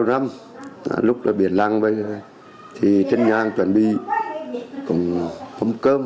năm lúc là biển lăng thì trên ngang chuẩn bị mâm cơm